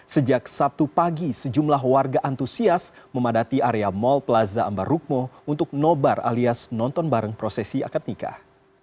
sejak sabtu pagi sejumlah warga antusias memadati area mall plaza ambarukmo untuk nobar alias nonton bareng prosesi akad nikah